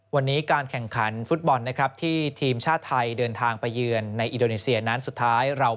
วันนี้การแข่งขันฟุตบอลนะครับที่ทีมชาติไทยเดินทางไปเยือนในอินโดนีเซียนั้นสุดท้ายเรา